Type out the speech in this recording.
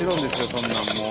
そんなんもう。